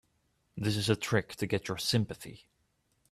This is a trick to get your sympathy.